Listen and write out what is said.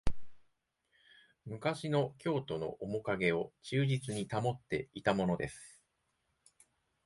昔の京都のおもかげを忠実に保っていたものです